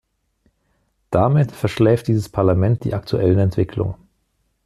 Damit verschläft dieses Parlament die aktuellen Entwicklungen.